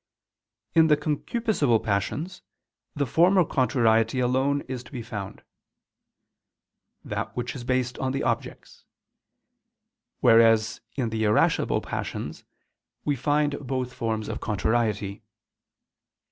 In the concupiscible passions the former contrariety alone is to be found; viz. that which is based on the objects: whereas in the irascible passions, we find both forms of contrariety.